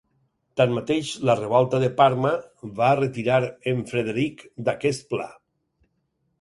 Tanmateix, la revolta de Parma va retirar en Frederick d'aquest pla.